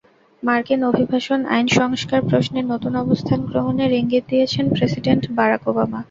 মার্কিন অভিবাসন আইন সংস্কার প্রশ্নে নতুন অবস্থান গ্রহণের ইঙ্গিত দিয়েছেন প্রেসিডেন্ট বারাক ওবামা।